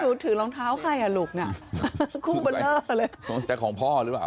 สูดถือรองเท้าใครลูกน่ะคลุมบรเลอเลยแต่ของพ่อ